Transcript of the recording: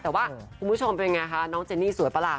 แต่ว่าคุณผู้ชมเป็นไงคะน้องเจนี่สวยปะล่ะ